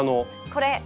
これ。